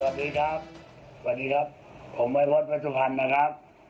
สวัสดีครับสวัสดีครับผมวัยพฤษวัชุพันธ์นะครับ